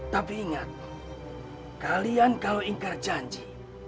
tapi ingat kalian kalau ingkar janji